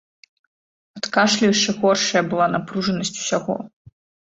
Ад кашлю яшчэ горшая была напружанасць усяго.